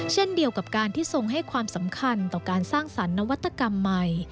เช่นเดียวกับการที่ทรงให้ความสำคัญต่อการสร้างสรรคนวัตกรรมใหม่